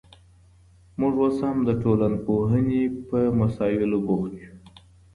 موږ اوس هم د ټولنپوهني په مسائل بوخت یو.